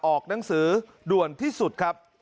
ออกหนังสือด่วนที่สุดครับ